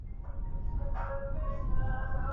یہ اب جنوبی ایشیائی تہذیبوں کا ایک اہم پہلو ہے۔